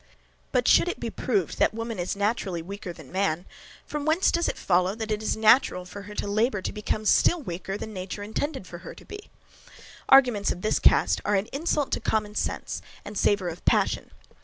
But should it be proved that woman is naturally weaker than man, from whence does it follow that it is natural for her to labour to become still weaker than nature intended her to be? Arguments of this cast are an insult to common sense, and savour of passion.